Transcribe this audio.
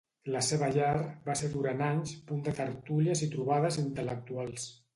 La seva llar va ser durant anys punt de tertúlies i trobades intel·lectuals.